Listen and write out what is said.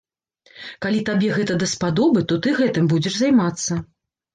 Калі табе гэта даспадобы, то ты гэтым будзеш займацца.